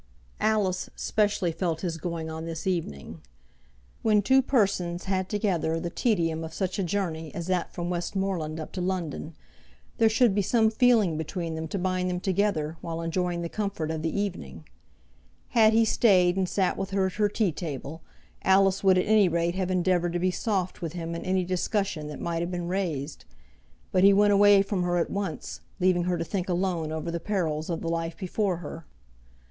Alice specially felt his going on this evening. When two persons had together the tedium of such a journey as that from Westmoreland up to London, there should be some feeling between them to bind them together while enjoying the comfort of the evening. Had he stayed and sat with her at her tea table, Alice would at any rate have endeavoured to be soft with him in any discussion that might have been raised; but he went away from her at once, leaving her to think alone over the perils of the life before her.